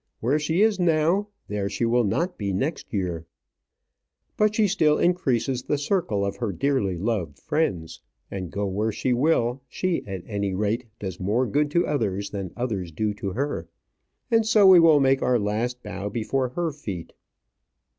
Where she is now, there she will not be next year. But she still increases the circle of her dearly loved friends; and go where she will, she, at any rate, does more good to others than others do to her. And so we will make our last bow before her feet.